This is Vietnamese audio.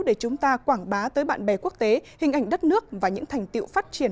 để chúng ta quảng bá tới bạn bè quốc tế hình ảnh đất nước và những thành tiệu phát triển